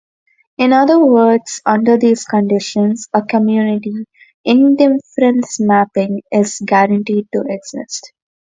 In other words, under these conditions a community indifference mapping is guaranteed to exist.